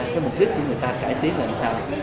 cái mục đích của người ta cải tiến làm sao